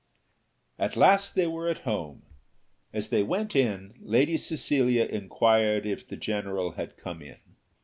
At last they were at home. As they went in, Lady Cecilia inquired if the general had come in?